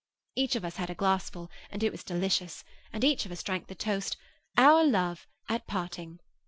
Each of us had a glassful, and it was delicious; and each of us drank the toast, 'Our love at parting.